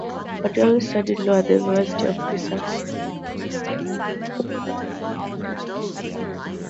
Polidori studied law at the University of Pisa.